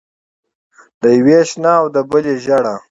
د یوې شنه او د بلې ژېړه.